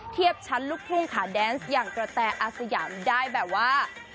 เทียบชั้นลูกทุ่งขาแดนส์อย่างกระแตอาสยามได้แบบว่า